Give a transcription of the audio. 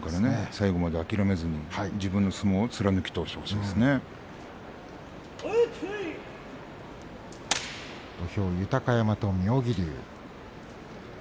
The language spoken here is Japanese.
最後まで諦めずに自分の相撲を土俵は豊山と妙義龍。